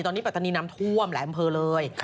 ตอนนี้ปัตตานีน้ำท่วมแหลมเพลอเลย